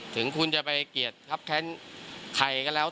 ถึงคุณจะไปเกลียดครับแค้นใครก็แล้ว